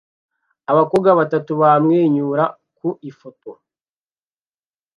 Abakobwa batatu bamwenyura ku ifoto